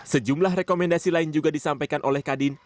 sejumlah rekomendasi lain juga disampaikan oleh kadin